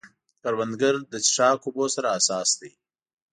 کروندګر له څښاک اوبو سره حساس دی